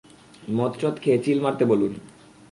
মদ-টদ খেয়ে চিল মারতে বলুন।